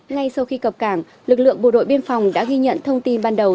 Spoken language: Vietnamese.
ngay sau khi cập cảng lực lượng bộ đội biên phòng đã ghi nhận thông tin ban đầu